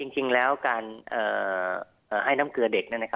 จริงแล้วการให้น้ำเกลือเด็ก